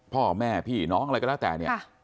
พ่อแม่พี่น้องอะไรก็แล้วแต่เนี่ย